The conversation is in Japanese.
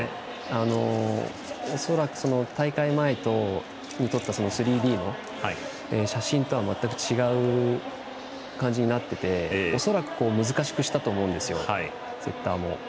恐らく、大会前に撮った３Ｄの写真とは全く違う感じになっていて恐らく、難しくしたと思うんですよ、セッターも。